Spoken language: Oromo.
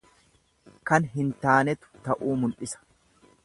Kan hin taanetu ta'uu mul'isa.